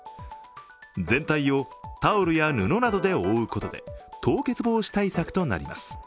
全体をタオルや布などで覆うことで凍結防止対策となります。